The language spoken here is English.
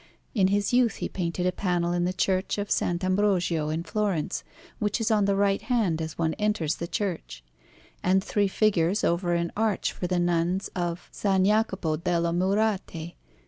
In his youth he painted a panel in the Church of S. Ambrogio in Florence, which is on the right hand as one enters the church; and three figures over an arch for the Nuns of S. Jacopo delle Murate.